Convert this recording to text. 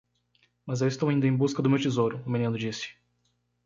"Mas eu estou indo em busca do meu tesouro?" o menino disse.